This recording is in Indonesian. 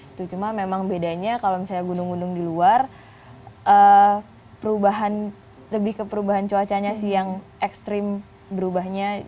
itu cuma memang bedanya kalau misalnya gunung gunung di luar perubahan lebih ke perubahan cuacanya sih yang ekstrim berubahnya